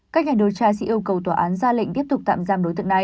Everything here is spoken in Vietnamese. các nhà điều tra sẽ yêu cầu tòa án ra lệnh tiếp tục tạm giam đối tượng này